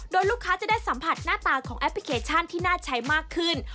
โดยลูกค้าจะได้สัมผัสหน้าตาของแอปพลิเคชันที่น่าใช้มากขึ้น